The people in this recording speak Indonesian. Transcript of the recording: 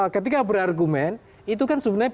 ketika berargumen itu kan sebenarnya